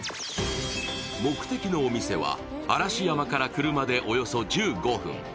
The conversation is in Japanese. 目的のお店は嵐山から車でおよそ１５分。